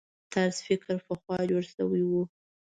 طرز فکر پخوا جوړ شوي وو.